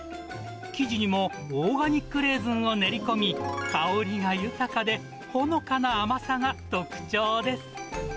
生地にもオーガニックレーズンを練り込み、香りが豊かでほのかな甘さが特徴です。